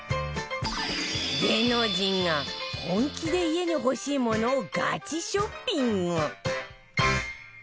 芸能人が本気で家に欲しいものをガチショッピング！